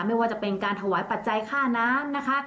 ไม่ว่าจะเป็นการถวายปัจจัยค่าน้ำนะคะ